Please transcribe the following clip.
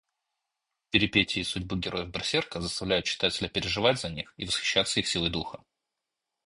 Перипетии судьбы героев Берсерка заставляют читателя переживать за них и восхищаться их силой духа.